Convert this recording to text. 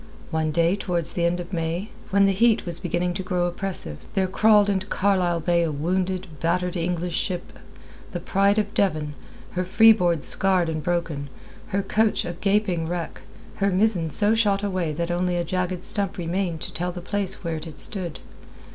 One day towards the end of May, when the heat was beginning to grow oppressive, there crawled into Carlisle Bay a wounded, battered English ship, the Pride of Devon, her freeboard scarred and broken, her coach a gaping wreck, her mizzen so shot away that only a jagged stump remained to tell the place where it had stood.